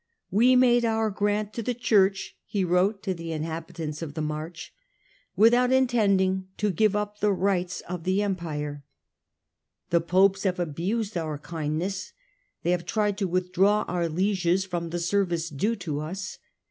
" We made our grant to the Church," he wrote to the inhabitants of the March, " without intending to give up the rights of the Empire. The Popes have abused our kindness ; they have tried to withdraw our lieges from the service due to us.